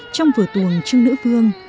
trong vở tuồng trưng nữ vương